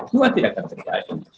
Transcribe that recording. semua tidak akan terjadi